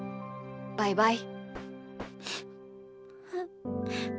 バイバイ。